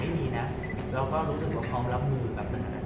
หรือเป็นอะไรที่คุณต้องการให้ดู